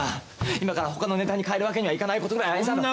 今からほかのネタに変えるわけにはいかないことくらい兄さんだって。